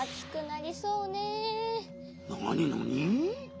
なになに？